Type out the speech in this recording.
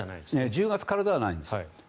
１０月からではないんです。